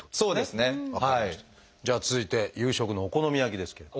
じゃあ続いて夕食のお好み焼きですけど。